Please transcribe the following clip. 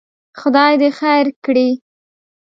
خدای دې خیر کړي.